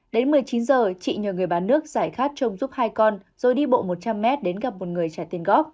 đi bộ một trăm linh mét đến gặp một người trả tiền góp